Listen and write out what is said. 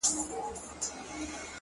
• نه په پلونو نه په ږغ د چا پوهېږم,